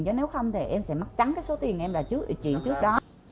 chứ nếu không thì em sẽ mắc trắng cái số tiền em là chuyển trước đó